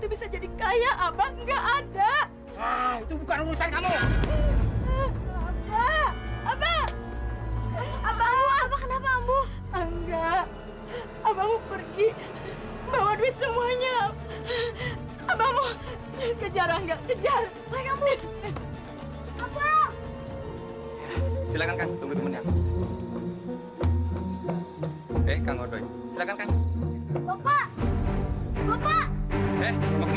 bisa jadi kaya abang enggak ada itu bukan urusan kamu apa apa kenapa kamu enggak abang pergi bawa